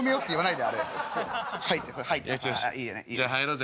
じゃあ入ろうぜ。